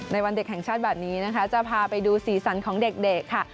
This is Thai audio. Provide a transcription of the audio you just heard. วันเด็กแห่งชาติแบบนี้นะคะจะพาไปดูสีสันของเด็กค่ะ